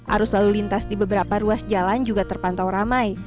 arus lalu lintas di beberapa ruas jalan juga terpantau ramai